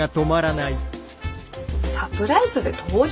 サプライズで登場！？